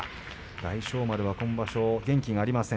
大翔丸は今場所元気がありません。